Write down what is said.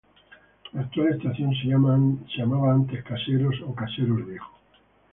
La actual estación se llamaba antes "Caseros" o "Caseros Viejo".